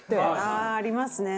ああーありますね。